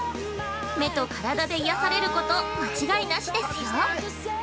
目と体で癒されること間違いなしですよ。